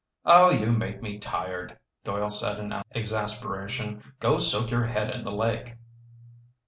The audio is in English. "Oh, you make me tired!" Doyle said in exasperation. "Go soak your head in the lake!"